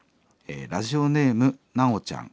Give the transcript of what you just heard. ラジオネームナオちゃん。